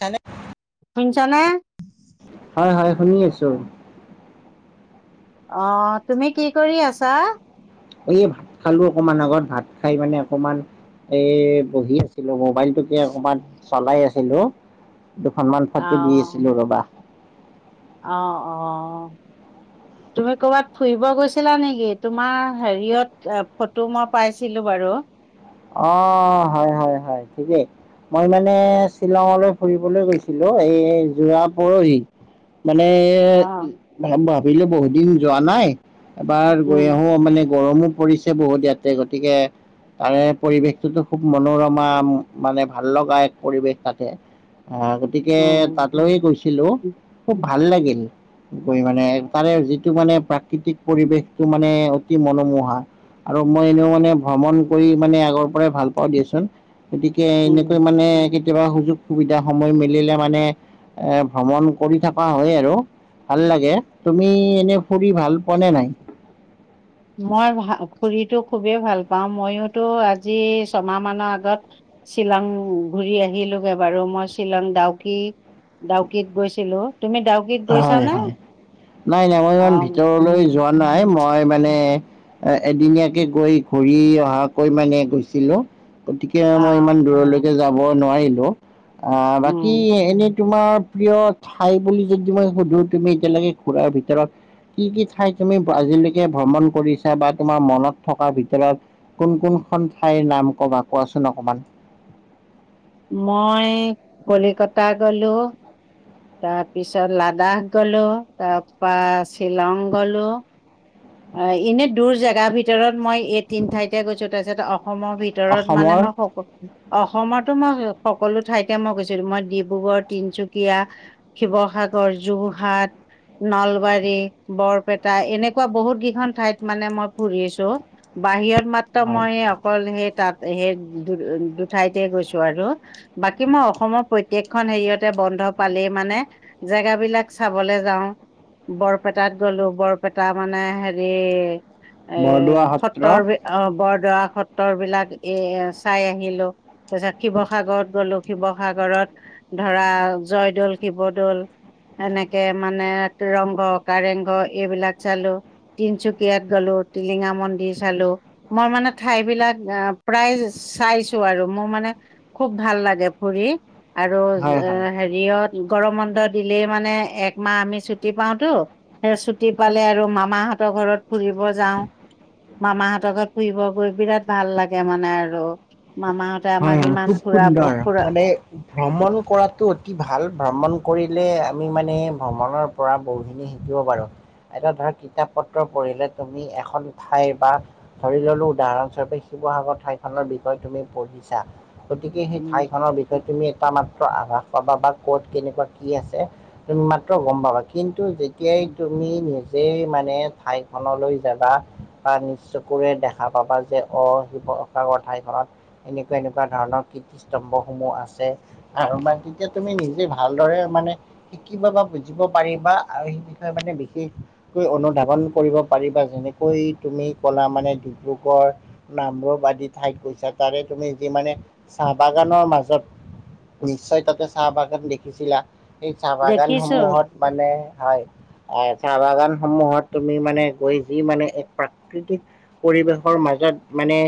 চানে [inaudible] শুনিছ নে? হয় হয়, শুনি আছোঁ। অ', তুমি কি কৰি আছাঁ? এই ভাত খালো অকমান আগত ভাত খাই মানে অকমান এই বহি আছিলোঁ মোবাইলটোকে অকণমান চলাই আছিলোঁ। দুখনমান অ', ফটো দি আছিলো ৰ'বা। অ অ', উ [inaudible] তুমি কৰ'বাত ফুৰিব গৈছিলা নেকি তোমাৰ হেৰিয়ত ফটো মই পাইছিলো বাৰু। অ' হয় হয় হয়, ঠিকেই। মই মানে শ্বিলঙলৈ ফুৰিবলৈ গৈছিলোঁ। এই যোৱা পৰহি। মানে অ', ভাবিলো বহুত দিন যোৱা নাই এবাৰ উম, গৈ আহোঁ। মানে গৰমো পৰিছে বহুত ইয়াতে গতিকে তাৰে পৰিৱেশটো খুব মনোৰমা মানে ভাল লগা এক পৰিৱেশ তাতে, আ গতিকে উম, তাত লৈয়ে গৈছিলোঁ, খুব ভাল লাগিল। কৰি মানে তাৰে যিটো মানে, প্ৰাকৃতিক পৰিৱেশটো মানে অতি মনোমোহা। আৰু মই এনেও মানে ভ্ৰমণ কৰি মানে ভাল পওঁ গতিকে উম, এনেকে মানে [unintelligible] কেতিয়াবা সুযোগ সুবিধা সময় মিলিলে মানে এ ভ্ৰমণ কৰি থকা হয় আৰু, ভাল লাগে। তুমি এনেই ফুৰি ভাল পোৱা নে নাই? মই খুবেই ভাল পাওঁ মইোটো আজি ছমাহ মানৰ আগত [unintelligible] [inaudible] শ্বিলং ঘূৰি আহিলোগৈ বাৰু, মই শ্বিলং দাউকি ডাউকিত গৈছিলো। তুমি ডাউকী, হয়, হয়, নাই নাই মই ইমান অ', উম, ভিতৰলৈ যোৱা নাই। মই মানে, এদিনীয়াকে গৈ ঘূৰি অহাকৈ মানে গৈছিলোঁ। গতিকে মই ইমান অ', দূৰলৈকে যাব নোৱাৰিলোঁ। আহ উম। বাকী এনে, তোমাৰ প্ৰিয় ঠাই বুলি যদি মই সুধো। তুমি এতিয়ালৈকে ঘূৰাৰ ভিতৰত কি কি ঠাইত তুমি আজিলৈকে ভ্ৰমণ কৰিছা? বা তোমাৰ মনত থকাৰ ভিতৰত, কোন কোনখন ঠাইৰ নাম কবা, কোৱাচোন অকণমান? মই কলিকতা গলোঁ। তাৰ পিছত লাডাখ গ'লোঁ, তাৰ পৰা শ্বিলং গ'লোঁ। অ', এনে দূৰ জোগাৰ ভিতৰত মই এই তিন ঠাইতে গৈছোঁ, তাৰপিছতে অসমৰ ভিতৰত ভিতৰত মানে অসমৰ মই স [unintelligible] অসমতো মই সকলো ঠাইতে মই গৈছিলোঁ, মই ডিব্ৰুগড়, তিনচুকীয়া শিৱসাগৰ, যোৰহাট, নলবাৰী, বৰপেটা, এনেকুৱা বহুত খন ঠাইত মানে মই ফুৰি আহিছোঁ। বাহিৰত মাত্ৰ হয় মই, অকল সেই তাত সেই দু দুঠাইতে গৈছোঁ। আৰু বাকী মই অসমৰ প্ৰত্যেকখন হেৰিয়তে বন্ধ পালেই মানে, জেগাবিলাক চাবলৈ যাওঁ। বৰপেটাত গলোঁ। বৰপেটা মানে হে, এ বৰদোৱা সত্ৰ ফতৰ [unintelligible] অ', বৰদোৱা সত্ৰৰ বিলাক এ চাই আহিলোঁ। তাপিছত শিৱসাগৰত গ'লো, শিৱসাগৰত ধৰা, জয়দৌল, শিৱদৌ'ল এনেকে মানে ৰংঘৰ কাৰেংঘৰ এইবিলাক চালোঁ। তিনচুকীয়াত গলোঁ, টিলিঙা মন্দিৰ চালোঁ। মই মানে ঠাইবিলাক আহ' প্ৰায় চাইছোঁ আৰু মোৰ মানে খুব ভাল লাগে ফুৰি আৰু হয় হয় হেৰি হেৰিয়ত, গৰম বন্ধ দিলেই মানে একমাহ আমি ছুটি পাওঁটো। সেই ছুটি পালে আৰু মামাহঁতৰ ঘৰত ফুৰিব যাওঁ। মামাহঁতৰ ঘৰত ফুৰিব গৈ বিৰাট ভাল লাগে মানে আৰু, মামাহত হয়, হয়, খুব সুন্দৰ। মানে ভ্ৰমণ কৰাটো অ তি ভাল ভ্ৰমণ কৰিলে আমি মানে ভ্ৰমণৰ পৰা বহুখিনি শিকিব পাৰোঁ। এতিয়া ধৰা কিতাপ পত্ৰ পঢ়িলে তুমি এখন ঠাইৰ বা ধৰি ল'লো, উদাহৰণস্বৰূপেই শিবসাগৰ ঠাইখনৰ বিষয়ে তুমি পঢ়িছা, গতিকে সেই উম ঠাইখনৰ বিষয়ে তুমি এটা মাত্ৰ আভাস পাবা বা ক'ত কেনেকুৱা কি আছে তুমি মাত্ৰ গম পাবা, কিন্তু যেতিয়াই উম তুমি নিজে যে মানে ঠাইখনলৈ যাবা বা নিজ চকুৰে দেখা পাবা, যে অ', শিৱসাগৰ ঠাইখনত এনেকুৱা, এনেকুৱা ধৰণৰ কীৰ্ত্তিস্তম্ভসমূহ আছে। আৰু বা তেতিয়া তুমি নিজে ভালদৰে মানে শিকিব বা বুজিব পাৰিব বা শিকিলে মানে বিশেষ অনুধাৱন কৰিব পাৰিবা যেনেকৈ তুমি ক'লা মানে ডিব্ৰুগড় নামৰূপ আদি ঠাইত গৈছা, তাৰে তুমি যি মানে চাহ বাগানৰ মাজত নিশ্চয় তাতে চাহ বাগান দেখিছিলা, সেই চাহ দেখিছো বাগানসমূহত মানে হয়। এ, চাহ বাগানসমূহত তুমি মানে গৈ যি মানে এক প্ৰাকৃতিক পৰিৱেশৰ মাজত মানে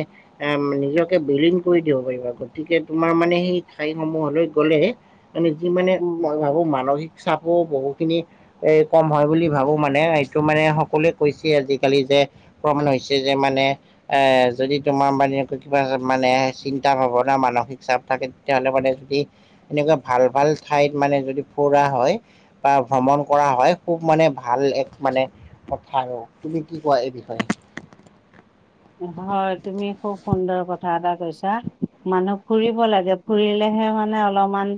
এ, নিজক বিলীন কৰি দিব পাৰিবা গতিকে তোমাৰ মানে সেই ঠাইসমূহলৈ গ'লে আমি যিমানে উম মই ভাবো মানসিক চাপো বহুখিনি এ, কম হয়, বুলি ভাবো মানে এইটো মানে সকলোৱে কৈছে আজিকালি যে [unintelligible] হৈছে যে মানে এ, যদি তোমাৰ মানে কিবা মানে চিন্তা ভাৱনা মানসিক চাপ থাকে, তেতিয়া হ'লে মানে যি এনেকুৱা ভাল, ভাল ঠাইত মানে যদি ফুৰা হয়। বা ভ্ৰমণ কৰা হয়, খুব মানে ভাল এক মানে কথা আৰু, তুমি কি কোৱা এই বিষয়ে? হয়, তুমি খুব সুন্দৰ কথা এটা কৈছা, মানুহ ফুৰিব লাগে। ফুৰিলেহে মানে অলপমান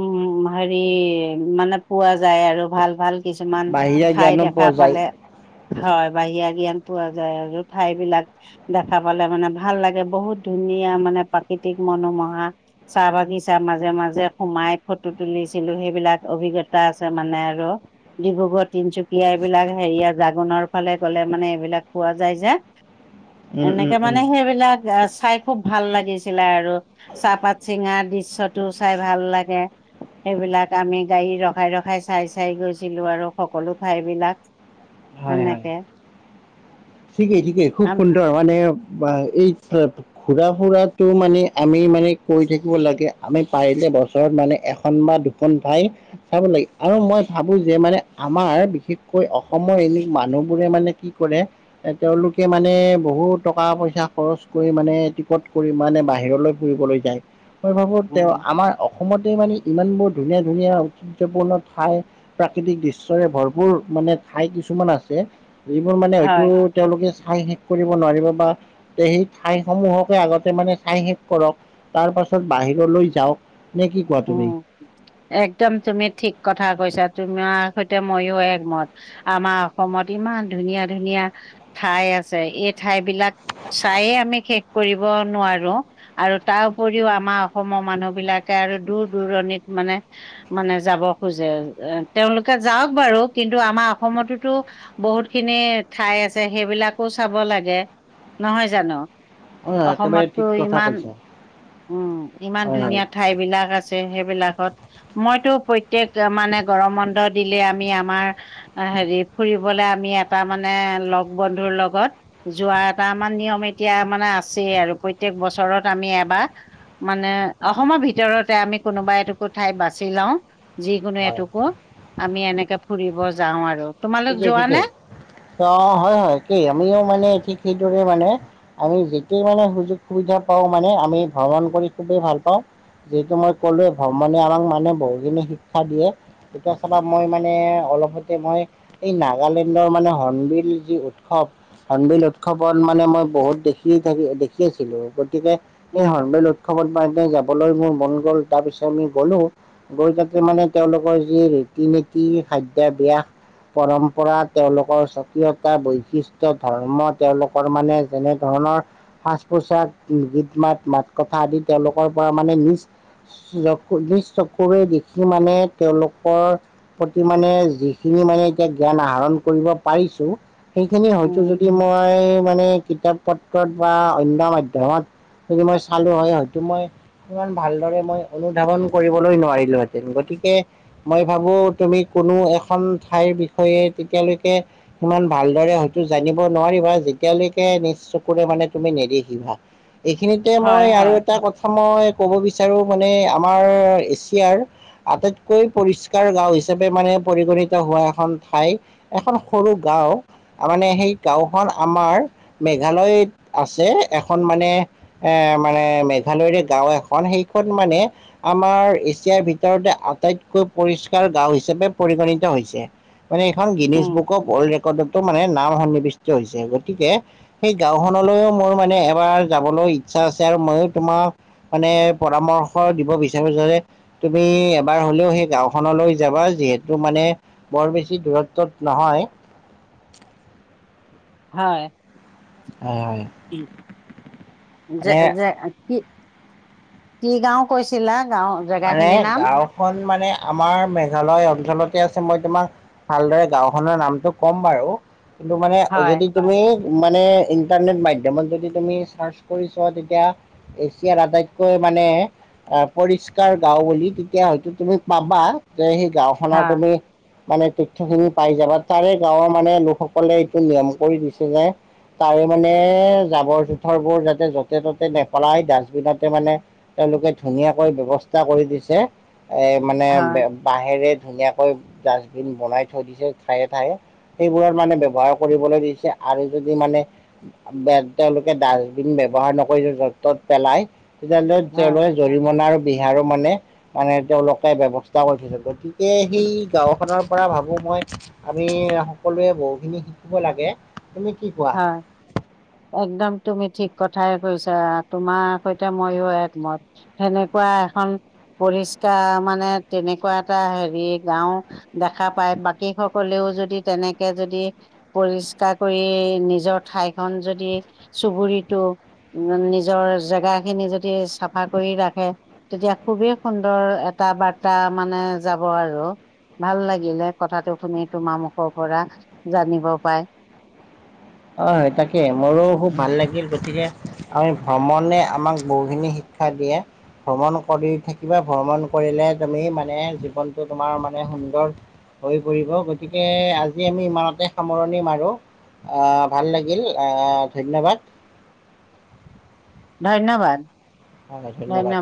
উম, হেৰি মানে পোৱা যায় আৰু ভাল, ভাল কিছুমান বাহিৰা ঠাই জ্ঞানো দেখা পোৱা যায় পালে। হয়, বাহিৰা জ্ঞান পোৱা যায় আৰু ঠাইবিলাক দেখা পালে মানে ভাল লাগে, বহুত ধুনীয়া মানে প্ৰাকৃতিক মনোমোহা চাহ বাগিচা মাজে, মাজে সোমাই ফটো তুলিছিলোঁ সেইবিলাক অভিজ্ঞতা আছে মানে আৰু। ডিব্ৰুগড়, তিনচুকীয়া এইবিলাক হেৰিয়া জাগোনৰ ফালে গ'লে মানে এইবিলাক পোৱা যায় যে। উম উম এনেকে উম মানে সেইবিলাক চাই খুব ভাল লাগিছিলে আৰু চাহপাত চিঙাৰ দৃশ্যটো চাই ভাল লাগে। সেইবিলাক আমি গাড়ী ৰখাই, ৰখাই চাই, চাই গৈছিলোঁ আৰু সকলো ঠাইবিলাক। হয় হয়। এনেকে। ঠিকেই, ঠিকেই খুব আম সুন্দৰ, মানে বা এই ঘূৰা- ফুৰাটো মানে আমি মানে কৈ থাকিব লাগে আমি পায় যে বছৰত মানে এখন বা দু খন ভাই আৰু লাগে আৰু মই ভাবো যে মানে আমাৰ বিশেষকৈ অসমৰ এনে মানুহবোৰে মানে কি কৰে তেওঁলোকে মানে বহু টকা পইচা খৰচ কৰি মানে টিকট কৰি মানে বাহিৰলৈ ফুৰিবলৈ যায়। মই ভাবো তেওঁ উম আমাৰ অসমতে মানে ইমান বোৰ ধুনীয়া-ধুনীয়া ঐতিহ্যপূৰ্ণ ঠাই প্ৰাকৃতিক দৃশ্যৰে ভৰপূৰ মানে ঠাই কিছুমান আছে, যিবোৰ মানে হয়, তেওঁলোকে চাই শেষ কৰিব নোৱাৰিব বা তে সেই ঠাইসমূহকে আগতে মানে চাই শেষ কৰক তাৰ পাছত বাহিৰলৈ যাওক। নে কি কোৱা উম, তুমি? একদম তুমি ঠিক কথা কৈছা, তোমাৰ সৈতে মইও একমত আমাৰ অসমত ইমান ধুনীয়া-ধুনীয়া ঠাই আছে এই ঠাই বিলাক চাইয়েই আমি শেষ কৰিব নোৱাৰো। আৰু তাৰ উপৰিও আমাৰ অসমৰ মানুহ বিলাকে আৰু দূৰ দূৰণিত মানে মানে যাব খোজে এ তেওঁলোকে যাওক বাৰু কিন্তু আমাৰ অসমততো বহুত খিনি ঠাই আছে সেইবিলাকো চাব লাগে নহয় জানো? অ একেবাৰে অসমততো ঠিক কথা ইমান কৈছা হয় উম ইমান হয় ধুনীয়া ঠাই বিলাক আছ ছে সেইবিলাকত মইতো প্ৰত্যেক মানে গৰম বন্ধ দিলে আমি আমাৰ হেৰি ফুৰিবলৈ আমি এটা মানে লগ-বন্ধুৰ লগত যোৱা এটা আমাৰ নিয়ম এতিয়া মানে আছেই আৰু প্ৰত্যেক বছৰত আমি এবাৰ মানে অসমৰ ভিতৰতে আমি কোনোবা এটুকুৰ ঠাইত বাছি লও যিকোনো হয় এটুকু আমি এনেকে ফুৰিব যাও আৰু। তোমালোক যোৱা নে? ঠিকেই-ঠিকেই, অ হয় কি আমিও মানে ঠিক সেইদৰে মানে আমি যেতিয়া মানে সুযোগ-সুবিধা পাওঁ মানে আমি ভ্ৰমণ কৰি খুবেই ভাল পাওঁ। যিহেতু মই কলোৱে ভ্ৰমণে আমাক মানে বহুখিনি শিক্ষা দিয়ে। এতিয়া চাবা মই মানে অলপতে মই এই নাগালেণ্ডৰ মানে হৰ্ণবিল যি উৎসৱ হৰ্ণবিল উৎসৱৰ মানে মই বহুত দেখি থাকি দেখি আছিলো গতিকে সেই উম, হৰ্ণবেল উৎসৱত মানে যাবলৈ মোৰ মন গ'ল তাৰ পিছত আমি গলো। গৈ তাতে মানে তেওঁলোকৰ যি ৰীতি-নীতি খাদ্যব্যাস পৰম্পৰা তেওঁলোকৰ স্বকীয়তা, বৈশিষ্ট্য, ধৰ্ম তেওঁলোকৰ মানে যেনে ধৰণৰ সাজ-পোছাক, গীত-মাত, মাত-কথা আদি তেওঁলোকৰ পৰা মানে নিজ নিজ চকুৰে দেখি মানে তেওঁলোকৰ প্ৰতি মানে যিখিনি মানে এতিয়া জ্ঞান আহৰণ কৰিব পাৰিছো, সেইখিনি উম, হয়তো যদি মই মানে কিতাপ পত্ৰত বা অন্য মাধ্যমত যদি মই চালো হয় হয়তো মই ইমান ভালদৰে মই অনুধাৱন কৰিবলৈ নোৱাৰিলোহেঁতেন, গতিকে মই ভাবো তুমি কোনো এখন ঠাইৰ বিষয়ে তেতিয়ালৈকে ইমান ভালদৰে হয়তো জানিব নোৱাৰিবা যেতিয়ালৈকে নিজ চকুৰে মানে তুমি নেদেখিবা। এইখিনিতে হয়, মই আৰু হয়, এটা কথা মই ক'ব বিচাৰোঁ মানে আমাৰ এছিয়াৰ আটাইতকৈ পৰিষ্কাৰ গাঁও হিচাপে মানে পৰিগণিত হোৱা এখন ঠাই এখন সৰু গাঁও মানে সেই গাঁওখন আমাৰ মেঘালয়ত আছে এখন মানে এ মানে মেঘালয়ৰে গাঁও এখন সেইখন মানে আমাৰ এছিয়াৰ ভিতৰতে আটাইতকৈ পৰিষ্কাৰ গাঁও হিচাপে পৰিগণিত হৈছে। মানে এইখন Guinness um, book of world ৰেকৰ্ডতো মানে নাম সন্নিৱিষ্ট হৈছে গতিকে সেই গাঁওখনলৈও মোৰ মানে এবাৰ যাবলৈ ইচ্ছা আছে আৰু মইও তোমাক মানে পৰামৰ্শ দিব বিচাৰো যে তুমি এবাৰ হলেও সেই গাঁওখনলৈ যাবা যিহেতু মানে বৰ বেছি দূৰত্বত নহয়। হয়, হয় হয় উ মানে যে-যে কি কি গাঁও কৈছিলা গাঁওত মানে গাঁওখন মানে আমাৰ মেঘালয় অঞ্চলতে আছে মই তোমাক ভালদৰে, গাঁওখনৰ নামটো ক'ম বাৰু। কিন্তু মানে, হয় যদি তুমি, মানে, ইন্টাৰনেট মাধ্যমত যদি, তুমি চাৰ্ছ কৰি চোৱা, তেতিয়া, এছিয়াৰ আটাইতকৈ মানে, পৰি গাওঁ বুলি? তেতিয়া হয়তো, তুমি পাবা! যে, সেই গাওঁ খনৰ হয় তুমি মানে, তথ্যখিনি পাই যাবা। তাৰে, গাঁৱৰ মানে, লোকসকলে এইটো নিয়ম কৰি দিছে যে, তাৰে মানে, জাবৰ-জোঁথৰবোৰ যাতে, য'তে-ত'তে নেপেলায়। ডাষ্টবিনতে মানে, তেওঁলোকে, ধুনীয়াকৈ ব্যৱস্থা কৰি দিছে। এ, মানে হয় বাঁহেৰে, ধুনীয়াকৈ ডাষ্টবিন বনাই থৈ দিছে, ঠায়ে- ঠায়ে। সেইবোৰত মানে, ব্যৱহাৰ কৰিবলৈ দিছে। আৰু যদি মানে, তেওঁলোকে, ডাষ্টবিন ব্যৱহাৰ নকৰি, য'ত-ত'ত পেলায়। তেতিয়ালৈ, হয় তেওঁলৈ জৰিমনা [unintelligible] মানে, মানে তেওঁলোকে, ব্যৱস্থা কৰিছে। গতিকে, সেই গাঁওখনৰ পৰা ভাবোঁ, মই! আমি, সকলোৱে বহুখিনি শিকিব লাগে। তুমি কি কো হয়! একদম তুমি, ঠিক কথাই কৈছা! তোমাৰ সৈতে, মইও একমত। সেনেকুৱা এখন পৰিষ্কাৰ, মানে, তেনেকুৱা এটা হেৰি, গাওঁ। দেখা পায়, বাকী সকলেও যদি, তেনেকে যদি, পৰিষ্কাৰ কৰি নিজৰ ঠাইখন যদি, চুবুৰিটো, নিজৰ জেগা খিনি, যদি চাফা কৰি ৰাখে। তেতিয়া, খুবেই সুন্দৰ এটা বাৰ্তা! মানে, যাব আৰু। ভাল লাগিলে কথাটো শুনি! তোমাৰ মুখৰ পৰা, জানিব পায়। হয়! তাকে, মোৰো খুব ভাল লাগিল! গতিকে, আমি ভ্ৰমণে, আমাক বহুখিনি শিক্ষা দিয়ে। ভ্ৰমণ কৰি থাকিবা? ভ্ৰমণ কৰিলে, তুমি মানে, জীৱনটো তোমাৰ মানে, সুন্দৰ হৈ পৰিব। গতিকে, আজি আমি, ইমানতে সামৰণি মাৰো। আঁ ভাল লাগিল! আঁ ধন্যবাদ। ধন্যবাদ! হয়, ধন্যবাদ।